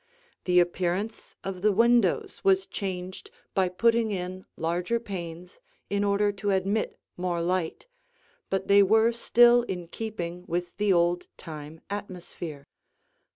The appearance of the windows was changed by putting in larger panes in order to admit more light, but they were still in keeping with the old time atmosphere.